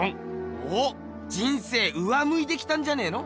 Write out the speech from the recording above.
おっ人生上むいてきたんじゃねえの？